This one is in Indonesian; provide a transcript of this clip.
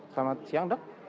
selamat siang dok